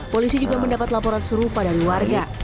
polisi juga mendapat laporan serupa dari warga